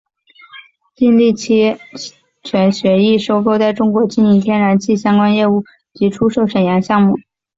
订立期权协议收购在中国经营天然气相关业务之若干投资项目及出售沈阳项目。